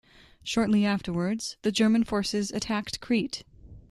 Shortly afterwards, the German forces attacked Crete.